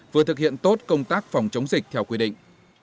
vừa thực hiện tốt công tác phòng chống dịch theo quy định